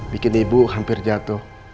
bikin ibu hampir jatuh